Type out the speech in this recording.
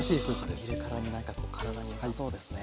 はあ見るからになんかこう体に良さそうですね。